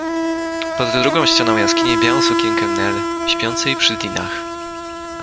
Pod drugą ścianą jaskini białą sukienkę Nel śpiącej przy Dinah.